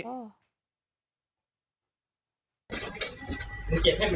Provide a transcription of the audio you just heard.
จะเก็บให้เข้าอันนี้ดี